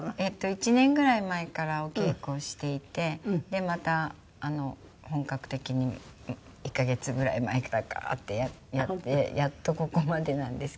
１年ぐらい前からお稽古をしていてまた本格的に１カ月ぐらい前からガーッてなってやっとここまでなんですけど。